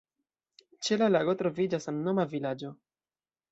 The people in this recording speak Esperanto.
Ĉe la lago troviĝas samnoma vilaĝo.